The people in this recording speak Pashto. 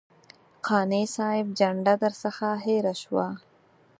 قانع صاحب جنډه درڅخه هېره شوه.